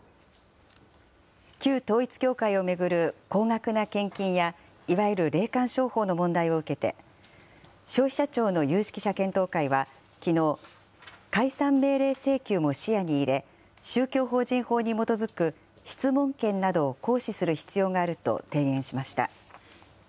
旧統一教会を巡る高額な献金やいわゆる霊感商法の問題を受けて、消費者庁の有識者検討会はきのう、解散命令請求も視野に入れ、宗教法人法に基づく質問権などを行使する必要があると提言しました。